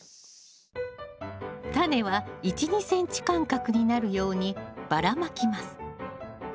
タネは１２ｃｍ間隔になるようにばらまきます。